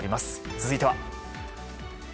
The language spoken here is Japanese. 続いては。